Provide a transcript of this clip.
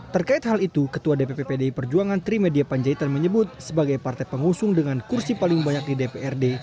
terkait hal itu ketua dpp pdi perjuangan trimedia panjaitan menyebut sebagai partai pengusung dengan kursi paling banyak di dprd